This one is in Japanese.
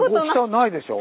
ないでしょ。